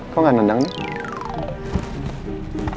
kok gak nendang nih